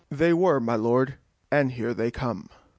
They were, my lord; and here they come.